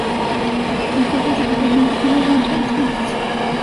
El cuerpo es de color negro con algunas rayas blancas.